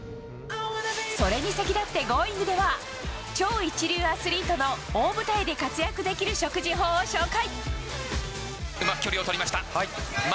それに先立って「Ｇｏｉｎｇ！」では超一流アスリートの大舞台で活躍できる食事法を紹介。